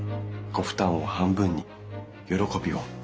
ご負担を半分に喜びを２倍に。